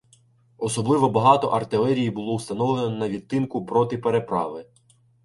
Особливо багато артилерії було уставлено на відтинку проти переправи».